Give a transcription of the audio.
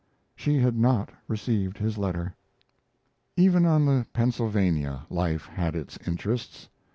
She had not received his letter. Even on the Pennsylvania life had its interests.